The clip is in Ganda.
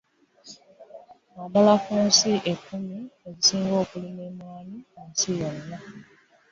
Naddala ku nsi ekkumi ezisinga okulima emmwanyi mu nsi yonna.